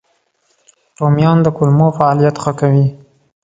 رومیان د کولمو فعالیت ښه کوي